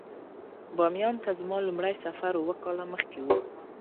بامیان ته زما لومړی سفر اووه کاله مخکې و.